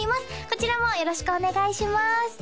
こちらもよろしくお願いします